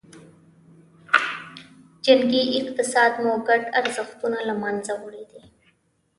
جنګي اقتصاد مو ګډ ارزښتونه له منځه وړي دي.